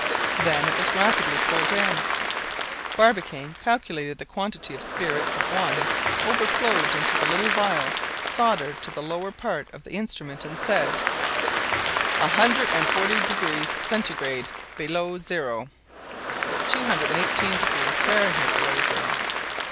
Then it was rapidly pulled in. Barbicane calculated the quantity of spirits of wine overflowed into the little vial soldered to the lower part of the instrument, and said: "A hundred and forty degrees Centigrade below zero!" 218 degrees Fahrenheit below zero.